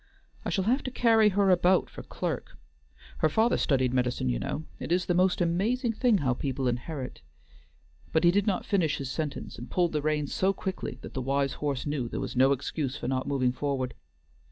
"I shall have to carry her about for clerk. Her father studied medicine you know. It is the most amazing thing how people inherit" but he did not finish his sentence and pulled the reins so quickly that the wise horse knew there was no excuse for not moving forward.